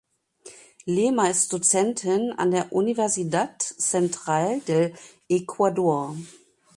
Lema ist Dozentin an der Universidad Central del Ecuador.